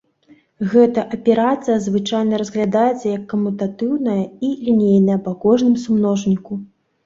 Гэта аперацыя звычайна разглядаецца як камутатыўная і лінейная па кожным сумножніку.